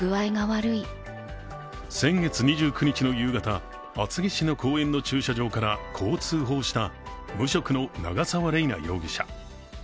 先月２９日の夕方厚木市の公園の駐車場からこう通報した無職の長沢麗奈容疑者。